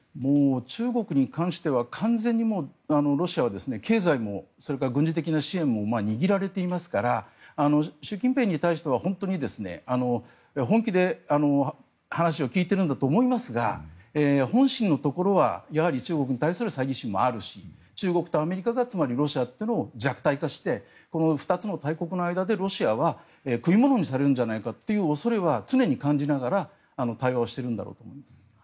中国に関しては完全にロシアは経済も、それから軍事的な支援も握られていますから習近平に対しては本気で話を聞いてるんだろうと思いますが本心のところは中国に対するさいぎ心もあるし中国とアメリカがつまりロシアっていうのを弱体化してこの２つの大国の間でロシアは食い物にされるんじゃないかという恐れは常に感じながら、対話はしているんだろうと思います。